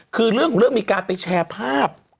คือเรื่องของเรื่องมีการไปแชร์ภาพ